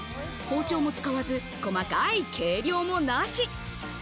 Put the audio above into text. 包丁も使わず、細かい計量もなし。